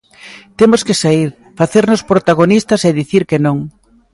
Temos que saír, facernos protagonistas e dicir que non.